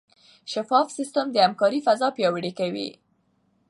شفاف سیستم د همکارۍ فضا پیاوړې کوي.